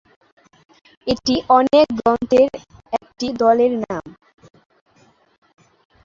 এটি অনেক গ্রন্থের একটি দলের নাম।